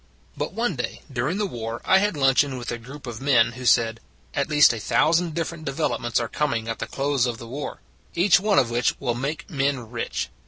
But one day during the war I had luncheon with a group of men who said: " At least a thousand different develop ments are coming at the close of the war, each one of which will make men rich.